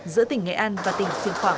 giữa tỉnh nghệ an và tỉnh siêng khoảng